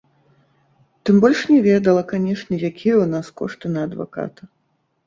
Тым больш не ведала, канечне, якія ў нас кошты на адваката.